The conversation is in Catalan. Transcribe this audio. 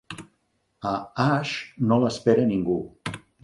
A Aix no l'espera ningú.